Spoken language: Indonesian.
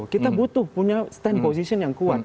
kita butuh punya stand position yang kuat